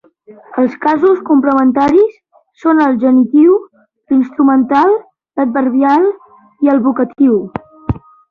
Els casos complementaris són el genitiu, l'instrumental, l'adverbial i el vocatiu.